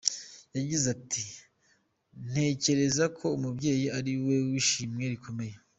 Yagize ati "Ntekereza ko umubyeyi ari we w’ishimwe rikomeye.